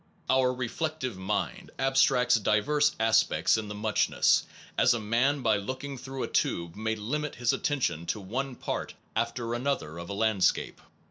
Our reflective mind abstracts divers aspects in the muchness, as a man by looking through a tube may limit his attention to one part after another of a landscape.